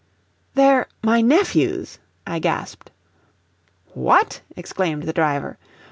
"They're my nephews," I gasped. "What!" exclaimed the driver.